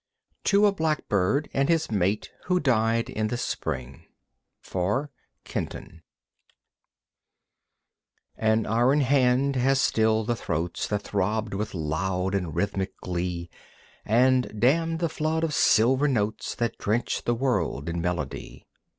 To a Blackbird and His Mate Who Died in the Spring (For Kenton) An iron hand has stilled the throats That throbbed with loud and rhythmic glee And dammed the flood of silver notes That drenched the world in melody.